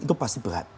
itu pasti berat